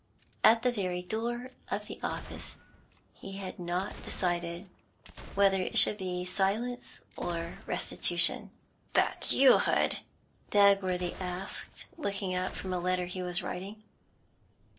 At the very door of the office he had not decided whether it should be silence or restitution. 'That you, Hood?' Dagworthy asked, looking up from a letter he was writing.